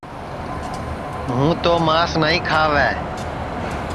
ہُوں تو مانٚس نائیں کھاوے